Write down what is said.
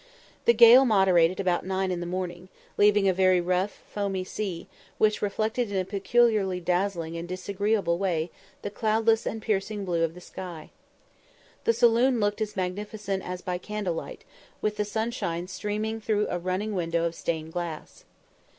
The gale moderated about nine in the morning, leaving a very rough, foamy sea, which reflected in a peculiarly dazzling and disagreeable way the cloudless and piercing blue of the sky. The saloon looked as magnificent as by candle light, with the sunshine streaming through a running window of stained glass.